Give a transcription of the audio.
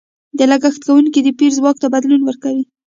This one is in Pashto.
د لګښت کوونکو د پېر ځواک ته بدلون ورکوي.